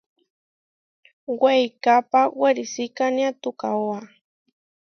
Weikápa werisikánia tukaóa.